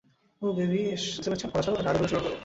ওহ baby, S M S করা ছাড়ো, আর ডায়ালগের অনুশীলন করো।